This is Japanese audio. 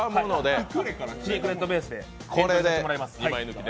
シークレットベースでいかせてもらいます。